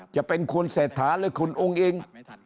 จะเป็นคุณเศรษฐาหรือคุณอุ้งอิง